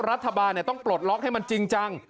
รัฐบาลต้องปลดล็อกให้มันจริงจัง